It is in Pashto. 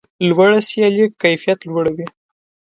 لوړه سیالي کیفیت لوړوي.